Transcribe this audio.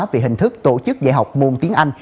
về hình thức tổ chức dạy học môn tiếng anh